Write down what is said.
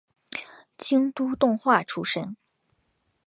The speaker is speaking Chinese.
京都动画出身。